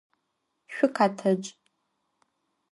Şükhetec!